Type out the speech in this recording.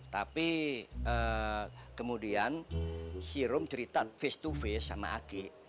tapi kemudian sirum cerita face to face sama aki